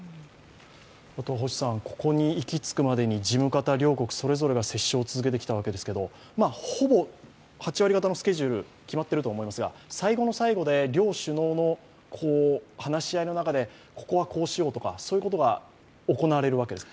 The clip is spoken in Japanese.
あとはここに行き着くまでに事務方両国それぞれが折衝を続けてきたわけですが、ほぼ８割方のスケジュール、決まっていると思いますが最後の最後で両首脳の話し合いの中で、ここはこうしようとか、そういうことが行われるわけですか。